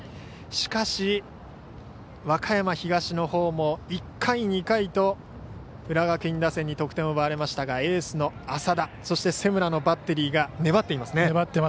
しかし、和歌山東のほうも１回２回と浦和学院打線に得点を奪われましたがエースの麻田、瀬村のバッテリー粘っていますね。